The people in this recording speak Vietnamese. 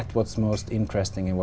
xã hội và quốc gia